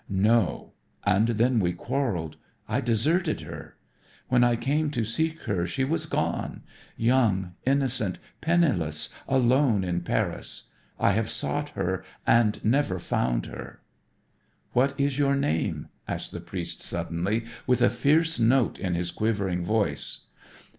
"No. And then we quarreled I deserted her. When I came to seek her she was gone young, innocent, penniless, alone in Paris I have sought her and never found her." "What is your name?" asked the priest suddenly with a fierce note in his quivering voice.